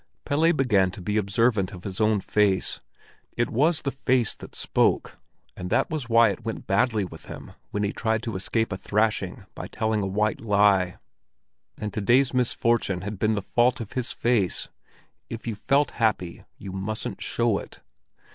Pelle began to be observant of his own face. It was the face that spoke, and that was why it went badly with him when he tried to escape a thrashing by telling a white lie. And to day's misfortune had been the fault of his face; if you felt happy, you mustn't show it.